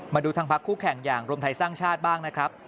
มาดูทางพักคู่แข่งอย่างรวมไทยสร้างชาติบ้างนะครับ